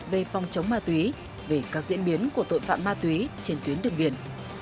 về phòng chống ma túy về các diễn biến của tội phạm ma túy trên tuyến đường biển